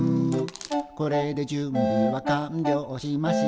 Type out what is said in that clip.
「これで準備は完了しました」